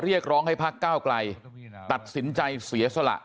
เรียกร้องให้พักก้าวไกลตัดสินใจเสียสละ